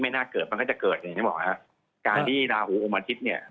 มันก็จะเกิดอย่างที่บอกครับการที่ลาหูอมอาทิตย์เนี่ย